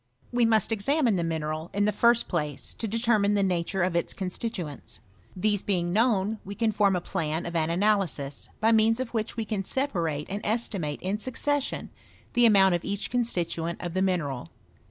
We must €xamine the mineral, in the first place, to determine the nature of its constituents. These being known, we can form a plan of an analysis, by means of which we can separate and estimate in succession the amount of each constituent of the mineral.